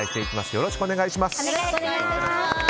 よろしくお願いします。